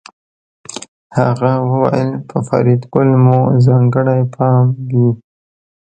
هغه وویل په فریدګل مو ځانګړی پام وي